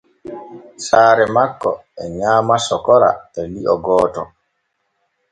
Saare makko e nyaama sokora e li’o gooto.